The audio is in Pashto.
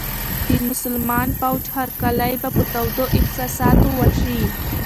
د مسلمان فوج هرکلی به په تودو احساساتو وشي.